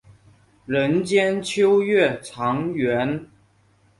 人间秋月长圆。